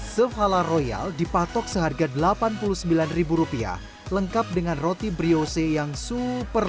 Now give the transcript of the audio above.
sepala royal dipatok seharga delapan puluh sembilan rupiah lengkap dengan roti briose yang super